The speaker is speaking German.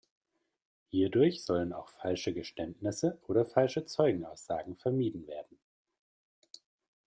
Hierdurch sollen auch falsche Geständnisse oder falsche Zeugenaussagen vermieden werden.